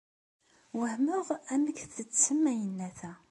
Wehmeɣ amek tettettem ayennat-a.